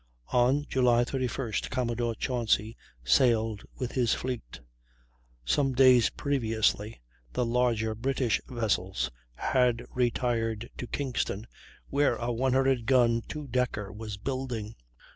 On July 31st Commodore Chauncy sailed with his fleet; some days previously the larger British vessels had retired to Kingston, where a 100 gun two decker was building.